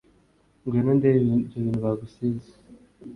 ngwino ndebe ibyo bintu bagusize